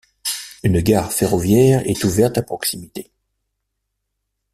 Une gare ferroviaire est ouverte à proximité.